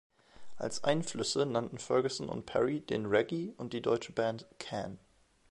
Als Einflüsse nannten Fergusson und Perry den Reggae und die deutsche Band "Can".